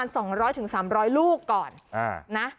ลี่ก่อน